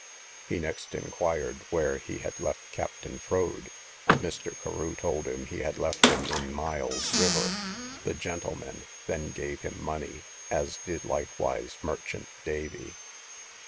He next inquired where he had left Captain Froade. Mr. Carew told him he had left him in Miles's river. The gentlemen then gave him money, as did likewise merchant Davy.